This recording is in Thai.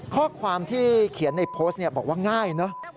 ข้อความที่เขียนในโพสต์บอกว่าง่ายเนอะ